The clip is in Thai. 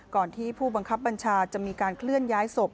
ที่ผู้บังคับบัญชาจะมีการเคลื่อนย้ายศพ